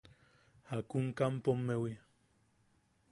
–¿Jakun kampomewi?